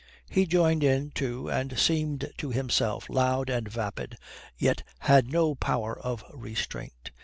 He joined in, too, and seemed to himself loud and vapid, yet had no power of restraint.